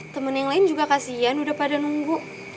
temen yang lain juga kasian udah pada nunggu